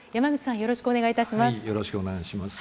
よろしくお願いします。